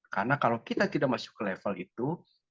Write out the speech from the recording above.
karena kalau kita tidak masuk ke level itu